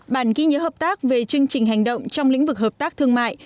bản ghi nhớ hợp tác về chương trình hành động trong lĩnh vực hợp tác thương mại